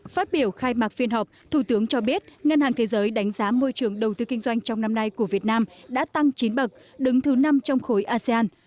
phát biểu khai mạc phiên họp thủ tướng cho biết ngân hàng thế giới đánh giá môi trường đầu tư kinh doanh trong năm nay của việt nam đã tăng chín bậc đứng thứ năm trong khối asean